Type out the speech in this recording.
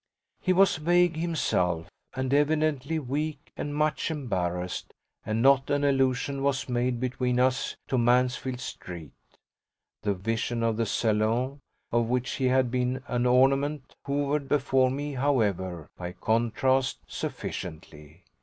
He was vague himself, and evidently weak, and much embarrassed, and not an allusion was made between us to Mansfield Street. The vision of the salon of which he had been an ornament hovered before me however, by contrast, sufficiently.